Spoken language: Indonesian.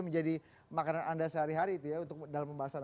menjadi makanan anda sehari hari itu ya untuk dalam pembahasan